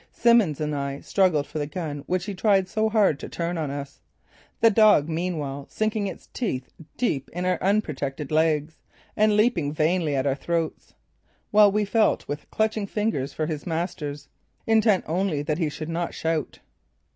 Simmons and I struggled for the gun which he tried so hard to turn on us, the dog meanwhile sinking its teeth deep in our unprotected legs and leaping vainly at our throats; while we felt with clutching fingers for his master's, intent only that he should not shout.